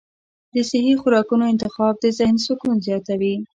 د صحي خوراکونو انتخاب د ذهن سکون زیاتوي.